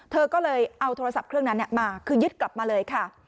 เธอก็เลยเอาโทรศัพท์เครื่องนั้นมาคือยึดกลับมาเลยค่ะ